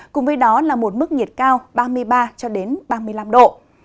cùng với đó là một mức nhiệt cao ba mươi ba ba mươi năm độ